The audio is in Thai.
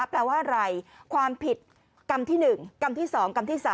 แปลว่าอะไรความผิดกรรมที่๑กำที่๒กำที่๓